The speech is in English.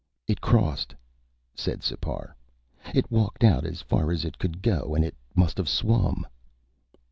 "It crossed," said Sipar. "It walked out as far as it could go and it must have swum."